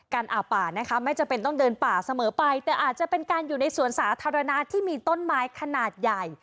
อาบป่านะคะไม่จำเป็นต้องเดินป่าเสมอไปแต่อาจจะเป็นการอยู่ในสวนสาธารณะที่มีต้นไม้ขนาดใหญ่